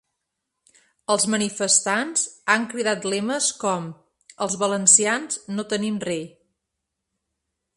Els manifestants han cridat lemes com ‘Els valencians no tenim rei’.